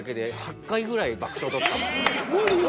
無理よ！